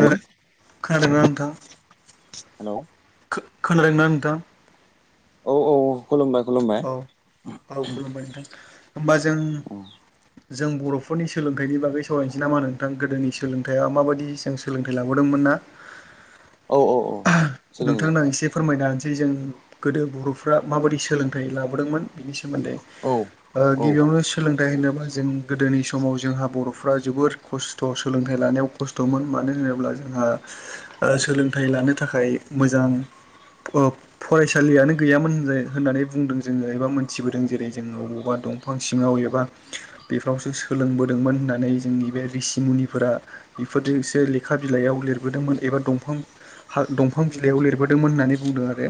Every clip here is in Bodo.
खोनादों खोनादोंना हेल' खो खोनादों ना नोंथां औ औ खुलुमबाय खुलुमबाय औ खुलुमबाय नोंथां होमबा जों जों बर'फोरनि सोलोंथाइनि बागै सावरायनोसै नामा नोंथां गोदोनि सोलोंथाइया माबायदि जों सोलोंथाइ लाबोदोंमोन ना औ औ औ सोलोंदों नोंथांनो आं एसे फोरमायना होनोसै जों गोदो बर'फ्रा माबायदि सोलोंथाइ लाबोदोंमोन बिनि सोमोन्दै औ ओ औ गिबियावनो सोलोंथाइ होनोबा जों गोदोनि समाव जोंहा बर'फ्रा जोबोर खस्थ' सोलोंथाइ लानायाव खस्थ'मोन मानो होनोब्ला जोंहा सोलोंथाइ लानो थाखाय मोजां [unintelligible] फरायसालियानो गैयामोन होन होननानै बुंदों जोङो एबा मोनथिबोदों जेरै जोंङो अबावबा दं फां सिङाव एबा बेफोरावसो सोलोंबोदोंमोन होननानै जोंनि बे रिसि मुनिफोरा बेफोरजोंसो लेखा बिलाइयाव लिरबोदोंमोन एबा दंफां हा दं फां बिलाइयाव लिरबोदोंमोन होननानै बुंदों आरो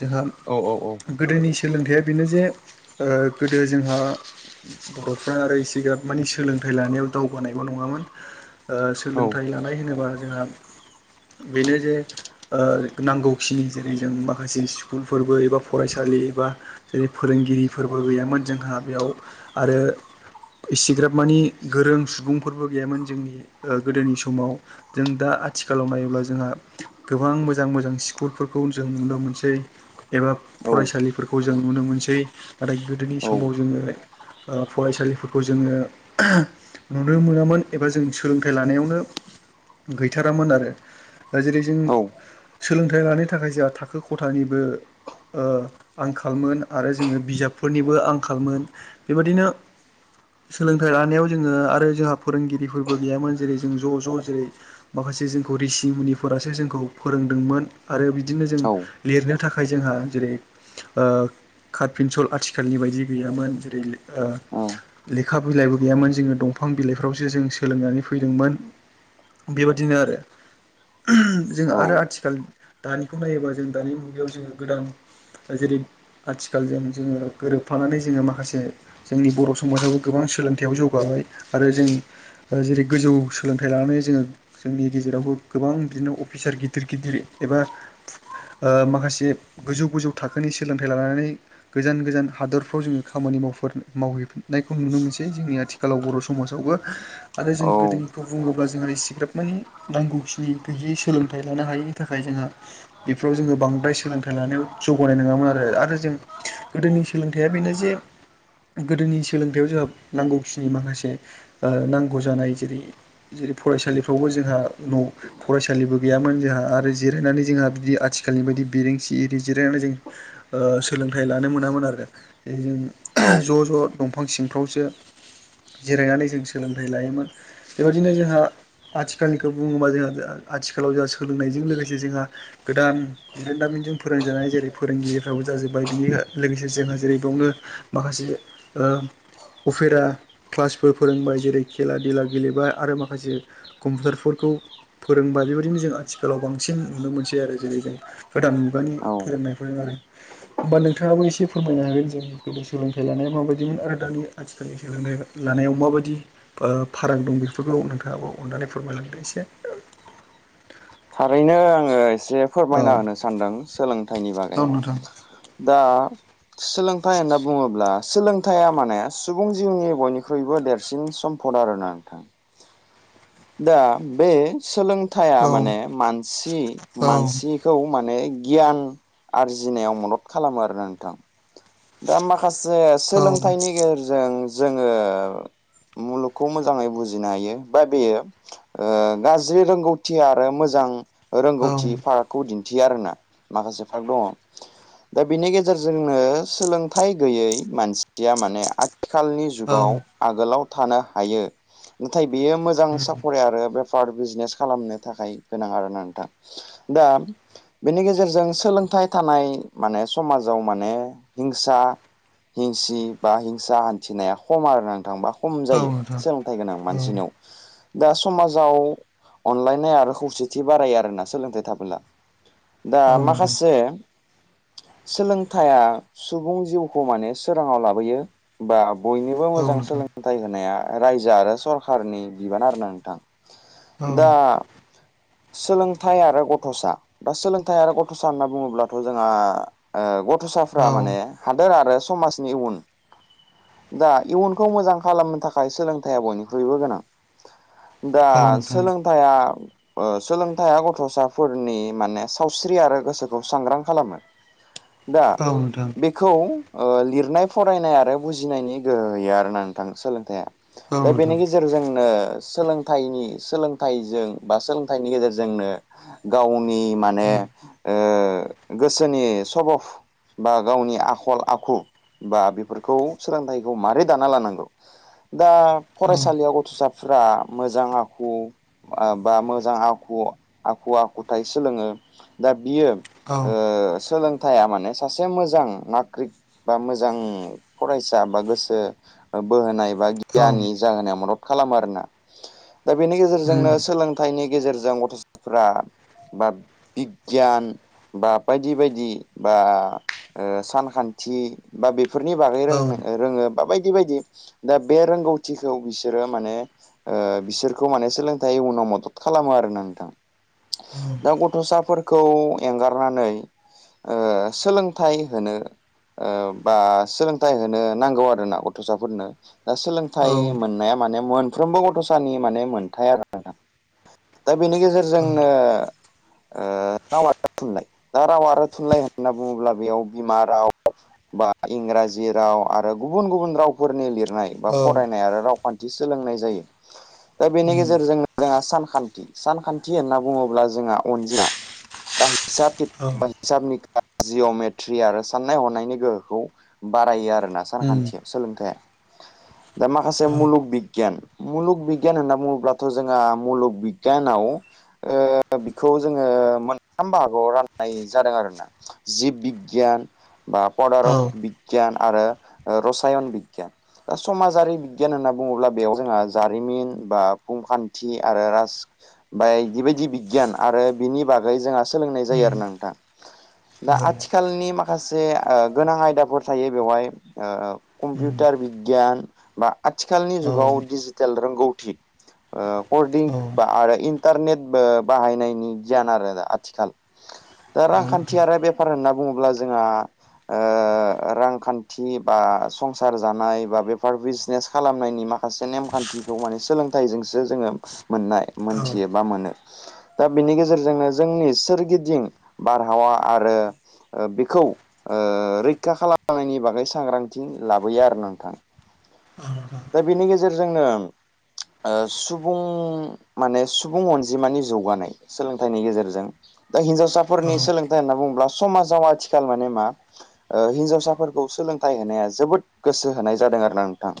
जोंहा औ औ औ गोदोनि सोलोंथाइया बेनो जे ओ गोदो जोंहा बर'फ्रा आरो एसेग्राब माने सोलोंथाइ लानायाव दावगानायबो नङामोन ओ औ सोलोंथाइ लानाय होनोबा जोंहा बेनो जे ओ नांगौखिनि जेरै जों माखासे स्कुलफोरबो एबा फरायसालि एबा जेरै फोरोंगिरिफोरबो गैयामोन जोंहा बेयाव आरो इसेग्राब मानि गोरों सुबुंफोरबो गैयामोन जोंनि गोदोनि समाव जों दा आथिखालाव नायोब्ला जोंहा गोबां मोजां मोजां स्कुलफोरखौ जों नुनो मोनसै एबा फरायसालिफोरखौ जों नुनो मोनसै नाथाय गोदोनि औ समाव जोङो ओ फरायसालिफोरखौ जोङो नुनो मोनामोन एबा जों सोलोंथाइ लानायावनो गैथारामोन आरो दा जेरै जों सोलोंथाइ लानो थाखाय जोंहा थाखो खथानिबो ओ आंखालमोन आरो जोङो बिजाबफोरनिबो आंखालमोन बेबायादिनो सोलोंथाइ लानायाव जोङो आरो जोंहा फोरोंगिरिफोरबो गैयामोन जेरै जों ज' ज' जेरै माखासे जोंखौ रिसि मुनिफोरासो जोंखौ फोरोंदोंमोन आरो बिदिनो जों लिरनो थाखाय जोंहा जेरै ओ कार्ट पेन्सल आथिखालनि बायदि गैयामोन जेरै ओ लेखा बिलाइबो गैयामोन जोङो दंफां बिलाइफ्रावसो जों सोलोंनानै फैदोंमोन बेबादिनो जोङ आरो आथिखालनि दानिखौ नायोबा जों दानि मुगायाव जोङो गोदान जेरै आथिखालजों जोङो गोरोबफानानै जोङो माखासे जोंनि बर' समाजावबो गोबां सोलोंथाइयाव जौगाबाय आरो जों जेरै गोजौ सोलोंथाइ लानानै जोङो जोंनि गेजेरावबो गोबां बिदिनो अ अफिसार गिदिर गिदिर एबा ओ माखासे गोजौ गोजौ थाखोनि सोलोंथाइ लानानै गोजान गोजान हादरफ्राव जोंङो खामानि माव मावहै नायखौ नुनो मोनसै जोंनि आथिखालाव बर' समाजावबो आरो जों औ गोदोनिखौ बुंङोब्ला जोंहा एसेग्राब माने नांगौखिनि गैयै सोलोंथाइ लानो हायिनि थाखाय जोंहा बेफोराव जोंङो बांद्राय सोलोंथाइ लानायाव जौगानाय नंङामोन आरो आरो जों गोदोनि सोलोंथाइया बेनो जे गोदोनि सोलोंथाइयाव जोंहा नांगौखिनि माखासे नांगौ जानाय जेरै जेरै फरायसालिफ्रावबो जोंहा न फरायसा सालिबो गैयामोन जोंहा आरो जिरायनानै जोंहा बिदि आथिखालनि बायदि बिरेंसि एरि जिरायनानै जों ओ सोलोंथाइ लानो मोनामोन आरो बे औ जों ज' ज' दंफां दफां सिंफ्रावसो जिरायनानै जों सोलोंथाइ लायोमोन बेबायदिनो जोंहा आथिखालनिखौ बुंङोबा जोंहा आथिखालाव जोंहा सोलोंनायजों लोगोसे जोंहा गोदान बिरोंदामिनजों फोरोंजानाय जेरै फोरोंगिरिफ्राबो जाजोब्बाय बिनि लोगोसे जोंहा जेरै बेयावनो माखासे ओ उफेरा क्लासफोर फोरोंबाय जेरै खेला देला गेलेबाय आरो माखासे कम्पिुटारफोरखौ फोरोंबा बेबायदिनो जों आथिखालाव बांसिन नुनो मोनसै आरो जेरै जों गोदान मुगानि औ फोरोंनाय होमबा नोंथांङाबो एसे फोरमायनो हागोन जोंनि गोदो सोलोंथाइ लानाया माबायदिमोन आरो दानि आथिखालनि सोलोंथाइ लानायाव माबायदि फाराग दं बेफोरखौ नोंथांङाबो अननानै फोरमायलांदों एसे थारैनो आङो एसे औ फोरमायना होनो सानदों सोलोंथाइनि औ बागै नोंथां दा सोलोंथाइ होनना बुंङोब्ला सोलोंथाइया माने सुबुं जिउनि बयनिख्रुइबो देरसिन सम्पद आरोना नोंथां दा बे सोलोंथाइया औ माने मानसि औ मानसि खौ माने गियान आरजिनायाव मदद खालामो आरो नोंथां दा माखासे सोलोंथाइनि गेजेरजों जोंङो मुलुगखौ मोजांङै बुजिनो हायो बा बेयो ओ गाज्रि रोंगौथि आरो मोजां औ रोंगौथि फाराग खौ दिनथियो आरोना माखासे पार्क दंङो दा बेनि गेजेरजोंनो सोलोंथाइ गैयै मानसिया माने आथिखालनि जुगाव औ आगोलाव थानो हायो नाथाय बेयो मोजां साखरि आरो बे स्पार्ट बिजनेस खालामनो थाखाय गोनां आरोना नोंथां दा बेनि गेजेरजों सोलोंथाइ थानाय माने समाजाव माने हिंसा हिंसि बा हिंसा हान्थिनाया खम आरो नोंथांबा खम जायो नोंथां सोलोंथाइ गोनां मानसिनयाव दा समाजाव अनलायनाय आरो खौसेथि बारायो आरोना सोलोंथाइ थाबोला दा औ माखासे सोलोंथाइया सुबुं जिउखौ माने सोराङाव लाबोयो बा बयनोबो औ मोजां नोंथां औ नोंथां औ नोंथां औ नोंथां औ नोंथां औ सोलों फोथाय होनाया रायजो आरो सरखारनि बिबान आरो ना नोंथां औ दा सोलोंथाइ आरो गथ'सा दा सोलोंथाइ आरो गथ'सा होनना बुङोब्लाथ' जोंहा उम गथ'साफ्रा औ माने हादोर आरो समाजनि उन दा इयुनखौ मोजां खालामनो थाखाय सोलोंथाइा बयनिख्रुइबो गोनां दा सोलोंथायाइया सोलोंथाइया गथ'साफोरनि माने सावस्रि आरो गोसोखौ सांग्रां खालामो दा बेखौ लिरनाय फरायनाय आरो बुजिनायनि गोहोयो आरोना नोंथां सोलोंथाइया दा बेनि गे गेजेरजोंनो सोलोंथाइनि सोलोंथाइजों बा सोलोंथाइनि गेजेरजोंनो गावनि माने ओ गोसोनि सभफ बा गावनि आखल आखु बा बेफोरखौ सोलोंथाइखौ माबारै दाना लानांगौ? दा फरायसालियाव गथ'साफोरा मोजां आखु ओ बा मोजां आखु आखु आखुथाय सोलोङो दा बियो औ ओ सोलोंथाइया माने सासे मोजां नाग्रिक बा मोजां फरायसा बा गोसो बोहोनाय औ गियानि जानानै मदद खालामो आरोना दा बेनि गेजेरजोंनो सोलों थाइनि गेजेरजों गथ'साफोरा बा बिगियान बा बायदि बायदि बा ओ सानखान्थि बा बेफोरनि बागै रों-रोङो बा बायदि बायदि दा बे रोंगौथिखौ बिसोरो माने ओ बिसोरखौ माने सोलोंथाइ उनाव मदद खालामो आरोना नोंथां। औ दा गथ'साफोरखौ एंगारनानै ओ सोलोंथाइ होनो ओ बा सोलोंथाइ होनो नांगौ आरो ना गथ'साफोरनो दा सोलों थाइ मोननाया माने मोनफ्रबो गथ'सानि माने मोनथाय आरो ना दा बेनि गेजेराव जोंनो उम ओ राव आरो थुनलाइ दा राव आरो थुनलाइ होननानै बुङोब्ला बेयाव बिमा राव बा इंराजि राव आरो गुबुन गुबुन रावफोरनि लिरनाय बा फरायनाय आरो रावखान्थि सोलोंनाय जायो दा बेनि गेजेरजोंनो जोंहा सानखान्थि सानखान्थि होनना बुङोब्ला जोंहा अनजिमा दा औ हिसाबा हिसाबनि काजिअमेद थि आरो साननाय हनायनि गोहोखौ बारायो आरोना उम सानखान्थिया सोलोंथाइया दा माखासे औ मुलुग बिगियान मुलुग बिगियान होनना बुङोब्लाथ' जोंहा मुलुग बिगियानाव ओ बिखौ जोङो मोनथाम बाहागोआव राननाय जादों आरोना जिब बि गियान बा पदारथ औ बिगियान आरो रसायन बिगियान दा समाजारि बिगियान होनना बुङोब्ला बेयाव जोंहा जारिमिन बा भुमखान्थि आरो राज बाय बिबायदि बिगियान आरो बिनि बागै जोंहा सोलोंनाय जायो आरो उम नोंथां दा औ आथि खालनि माखासे ओ गोनां आयदाफोर थायो बेवहाय ओ उम कम्पिउटार बिगियान बा आथिखालनि औ जुगाव डिजिटेल रोंगौथि ओ कदिं औ आरो इन इन्टारनेट बाहायनायनि गियान आरो आथिखाल दा रांखान्थि नोंथां आरो बेफार होनना बुङोब्ला जोंहा ओ रांखान्थि बा संसार जानाय बा बेफार बिजनेस खालामनायनि मा खासे नेमखान्थिखौ माने सोलोंथाइजोंसो जोङो मोननाय औ मोनथियो बा मोनो। दा बिनि गेजेरजोंनो जोंनि सोरगिदिं बारहावा आरो बेखौ ओ रैखा खालामनायनि बागै सांग्रांथि लाबोयो आरो नोंथां [inaudible] दा बेनि गेजेरजोंनो ओ सुबुं माने सुबुं अनजिमानि जौगानाय सोलोंथाइनि गेजेरजों दा हिनजावसाफोरनि औ सोलोंथाइ होनना बुङोब्ला समाजाव आथिखाल माने मा ओ हिनजावसाफोरखौ सोलोंथाइ होनाया जोबोद गोसो होनाय जादों आरो ना नोंथां?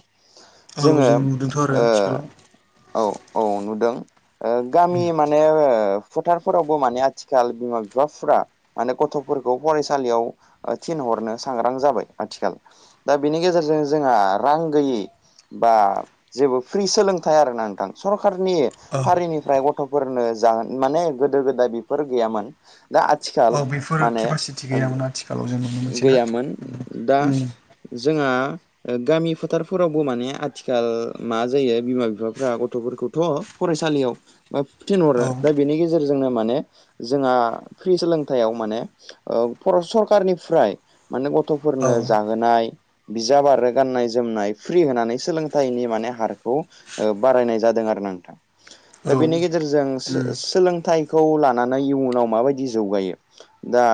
औ जोङो जों नुदोंथ' आरो ओ आथिखालाव औ औ नुदों गामि मा माने फोथारफोरावबो माने आथिखाल बिमा बिफाफोरा माने गथ'फोरखौ फरायसालियाव थिनहरनो सांग्रां जाबाय आथिखाल दा बेनि गेजेरजों जोंहा रां गैयि बा जेबो फ्रि सोलोंथाइ आरोना नोंथां सरखारनि औ फारिनिफ्राय गथ'फोरनो जागोन माने गोदो गोदाय बेफोर गैयामोन दा आथिखाल औ बेफोर माने केपासिटि गैयामोन आथिखालाव जों नुनो मोनसै ना गैयामोन दा उम जोंहा गामि फोथार फोरावबो माने आथिखाल मा जायो बिमा बिफाफ्रा गथ'फोरखौथ' फरायसालियाव बा थिनहरो औ दा बेनि गेजेरजोंनो माने जोंहा फ्रि सोलोंथायाव माने ओ फर सरखारारनिफ्राय माने औ गथ'फोरनो जाहोनाय बिजाब आरो गाननाय जोमनाय फ्रि होनानै सोलोंथाइनि माने हारखौ बारायनाय जादों आरो नोंथां औ दा बेनि गेजेरजों सो सो उम सोलोंथाइखौ लानानै इयुनाव माबायदि जौगायो दा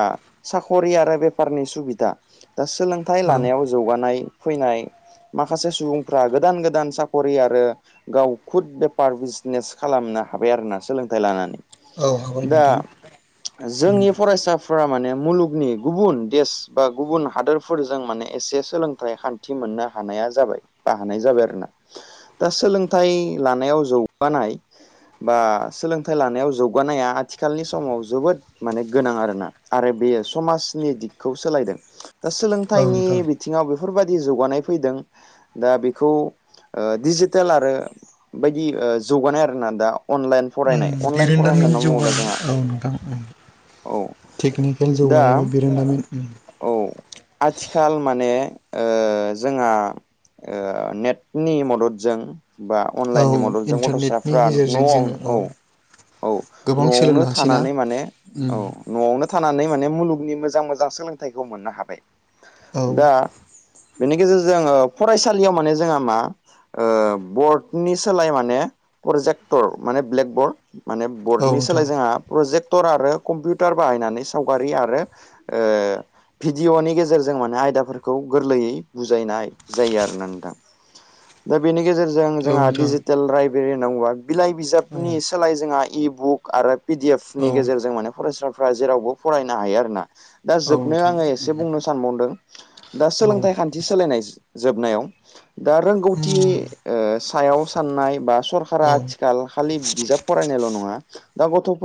साख'रि आरो बेफारनि सुबिदा दा सोलोंथाइ औ लानायाव जौगानाय फैनाय माखासे सुबुंफ्रा गोदान गोदान साख'रि आरो गाव खुद बेफार बिजनेस खालामनो हाबाय आरोना सोलोंथाइ लानानै औ हाबाय दा नोंथां उम जोंनि फरायसाफोरा माने मुलुगनि गुबुन देश बा गुबुन हादोर फोरजों माने एसे सोलोंथाइ खान्थि मोननो हानाया जाबाय बा हानाय जाबाय आरो ना दा सोलोंथाइ लानायाव जौगानाय बा सोलोंथाइ लानायाव जौगानाया आथिखालनि समाव जोबोद माने गोनां आरोना आरो बेयो समाजनि दिगखौ सोलायदों दा औ सोलोंथाइनि नोंथां बिथिङाव बेफोरबायदि जौगानाय फैदों दा बेखौ डिजिटेल आरो बायदि जौगानाय आरोना दा अनलाइन फरायनाय अनलाइन फरायनाय बिरोंदामिनि होनना बुङोब्ला जौगानाय जोंहा औ नोंथां औ टेकनिकेल दा जौगानायबो बिरोंदामिन ओं औ आथिखाल माने ओ जोंहा ओ नेटनि मददजों बा औ अनलाइननि मददजों इन्टारनेटनि गथ'साफ्रा गेजेरजों न'आव जोङो औ औ गोबां न'आवनो सोलोंनो हासैना थानानै माने उम औ न'आवनो थानानै माने मुलुगनि मोजां मोजां सोलोंथाइखौ मोननो हाबाय औ दा बेनि गेजेरजों ओ फरायसालियाव माने जोंहा मा ओ बर्डनि सोलाय माने प्रजेक्टर माने ब्लेक बर्ड माने बर्डनि नोंथां सोलाय जोंहा प्रजेक्टर आरो कम्पिउटार बाहायनानै सावगारि आरो ओ भिडिअ'नि गेजेरजों माने आयदाफोरखौ गोरलैयै बुजायनाय जायो आरोना नोंथां दा बेनि गेजेरजों औ जोंहा नोंथां डिजिटेल राइट [unintelligible] होनना बुङा बिलाइ औ बिजाबनि सोलाय जोंहा इबुक आरो पिडि एफ नि औ गेजेरजों माने फरायसाफ्रा जेरावबो फरायनो हायो आरोना दा औ जोबनायाव नोंथां आङो एसे बुंनो सानबावदों दा औ सोलोंथाइ खान्थि सोलायनाय जोबनायाव दा रोंगौथि उम ओ सायाव साननाय बा सरकारा औ आथिखाल खालि बिजाब फरायनायल' नङा दा गथ'फोर